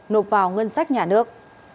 nộp vào ngân sách nhà nước